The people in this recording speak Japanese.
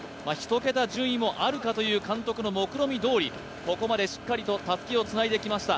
１桁順位もあるかという監督の目論見どおりここまでしっかりとたすきをつないできました。